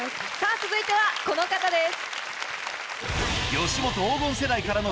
続いてはこの方です。